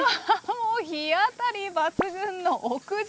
日当たり抜群の屋上。